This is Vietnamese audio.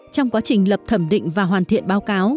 trong quá trình lập thẩm định và hoàn thiện báo cáo